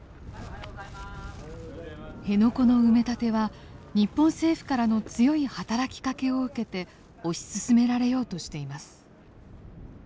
辺野古の埋め立ては日本政府からの強い働きかけを受けて推し進められようとしています。